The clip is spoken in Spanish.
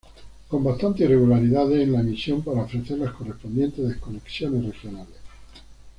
Con bastantes irregularidades en la emisión para ofrecer las correspondientes desconexiones regionales.